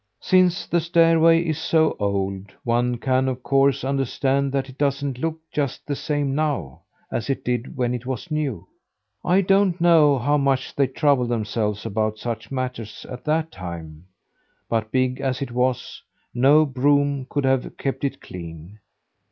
"Since the stairway is so old, one can, of course, understand that it doesn't look just the same now, as it did when it was new. I don't know how much they troubled themselves about such matters at that time; but big as it was, no broom could have kept it clean.